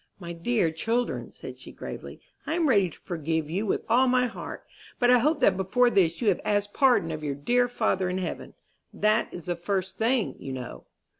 "My dear children," said she, gravely, "I am ready to forgive you with all my heart; but I hope that before this you have asked pardon of your dear Father in heaven. That is the first thing, you know."